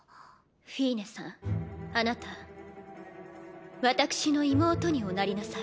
フィーネさんあなた私の妹におなりなさい。